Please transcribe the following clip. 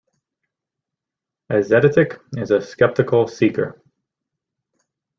A zetetic is a "skeptical seeker".